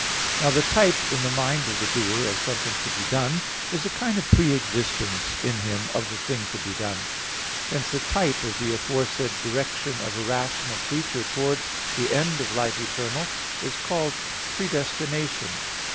Now the type in the mind of the doer of something to be done, is a kind of pre existence in him of the thing to be done. Hence the type of the aforesaid direction of a rational creature towards the end of life eternal is called predestination.